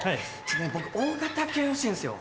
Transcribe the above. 僕大型犬欲しいんすよ。